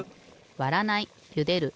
わらないゆでる